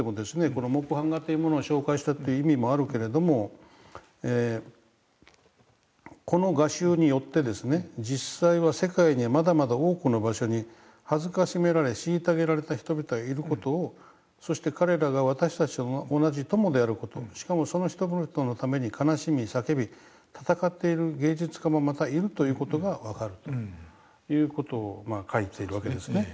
この木版画というものを紹介したという意味もあるけれどもこの画集によってですね実際は世界にはまだまだ多くの場所に辱められ虐げられた人々がいる事をそして彼らが私たちの同じ友である事しかもその人々のために悲しみ叫び闘っている芸術家もまたいるという事が分かるという事を書いてるわけですね。